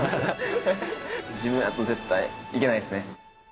自分だと絶対いけないですね。